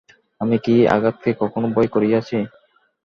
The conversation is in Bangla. আমি কি আঘাতকে কখনো ভয় করিয়াছি।